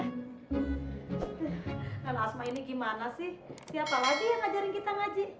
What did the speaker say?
kalau asma ini gimana sih siapa lagi yang ngajarin kita ngaji